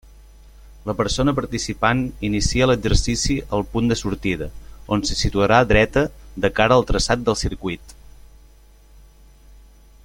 La persona participant inicia l'exercici al punt de sortida, on se situarà dreta, de cara al traçat del circuit.